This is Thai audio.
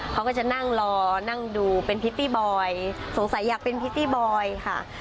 เขาก็จะนั่งรอนั่งดูเป็นพิตตี้บอยสงสัยอยากเป็นพิตตี้บอยค่ะ